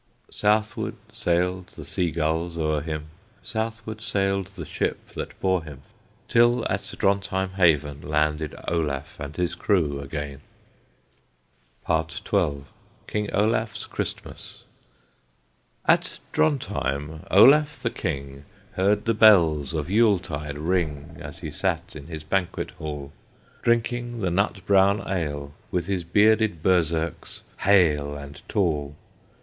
Southward sailed the sea gulls o'er him, Southward sailed the ship that bore him, Till at Drontheim haven landed Olaf and his crew again. XII. KING OLAF'S CHRISTMAS. At Drontheim, Olaf the King Heard the bells of Yule tide ring, As he sat in his banquet hall, Drinking the nut brown ale, With his bearded Berserks hale And tall.